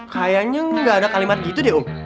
kayanya gak ada kalimat gitu deh om